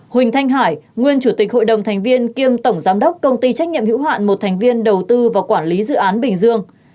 huỳnh thanh hải nguyên chủ tịch hội đồng thành viên kiêm tổng giám đốc công ty trách nhiệm hữu hạn một thành viên đầu tư và quản lý dự án bình dương